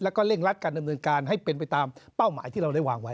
แล้วก็เร่งรัดการดำเนินการให้เป็นไปตามเป้าหมายที่เราได้วางไว้